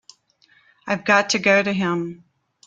I've got to go to him.